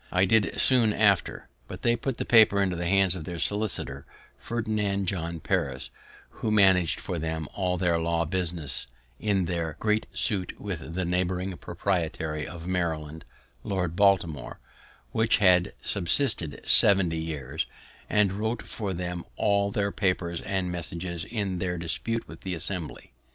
I did so soon after, but they put the paper into the hands of their solicitor, Ferdinand John Paris, who managed for them all their law business in their great suit with the neighbouring proprietary of Maryland, Lord Baltimore, which had subsisted 70 years, and wrote for them all their papers and messages in their dispute with the Assembly.